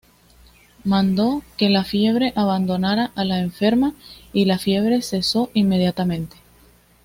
Mandó que la fiebre abandonara a la enferma, y la fiebre cesó inmediatamente.